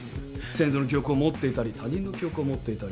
先祖の記憶を持っていたり他人の記憶を持っていたり。